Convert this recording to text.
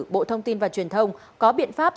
bộ thông tin và truyền thông có biện pháp